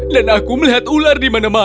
dan aku melihat ular di manaman